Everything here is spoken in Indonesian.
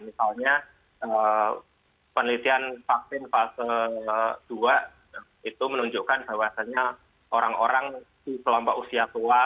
misalnya penelitian vaksin fase dua itu menunjukkan bahwasannya orang orang di kelompok usia tua